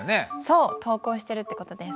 そう「投稿してる」って事です。